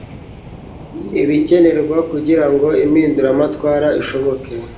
ibikenerwa kugirango impinduramatwara ishoboke